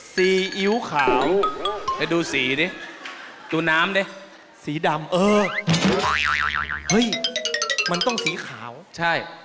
ซีอิ๊วขาวให้ดูสีดิดูน้ำดิสีดำเออเฮ้ยมันต้องสีขาวใช่